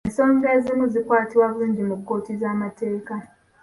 Ensonga ezimu zikwatibwa bulungi mu kkooti z'amateeka.